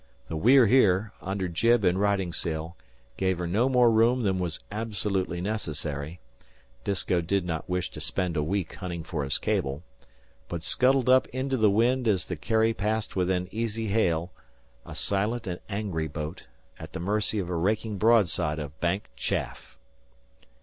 The We're Here, under jib and riding sail, gave her no more room than was absolutely necessary, Disko did not wish to spend a week hunting for his cable, but scuttled up into the wind as the Carrie passed within easy hail, a silent and angry boat, at the mercy of a raking broadside of Bank chaff.